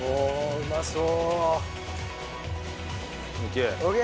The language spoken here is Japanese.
うまそう！